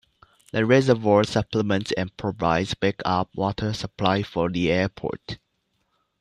The reservoir supplements and provides backup water supply for the airport.